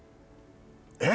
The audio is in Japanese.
「えっ？」